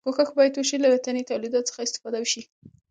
کوښښ باید وشي له وطني تولیداتو څخه استفاده وشي.